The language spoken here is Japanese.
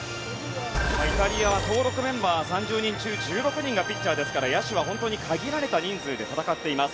イタリアは登録メンバー３０人中１６人がピッチャーですから野手は限られた人数で戦っています。